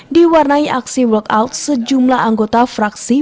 diwarnai aksi walkout sejumlah anggota fraksi